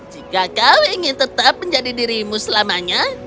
jika kau ingin tetap menjadi dirimu selamanya